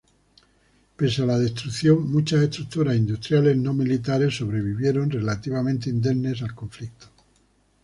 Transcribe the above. Pese a la destrucción, muchas estructuras industriales no militares sobrevivieron relativamente indemnes al conflicto.